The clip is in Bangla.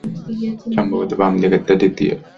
সম্ভবত বামদিকের দ্বিতীয়টা।